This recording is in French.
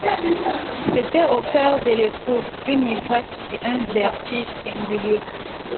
C'était, au cœur de l'époux, une ivresse et un vertige singuliers.